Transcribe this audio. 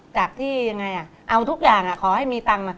จากที่ยังไงเอาทุกอย่างขอให้มีตังค์มา